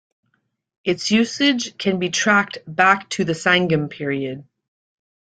Its usage can be traced back to the Sangam period.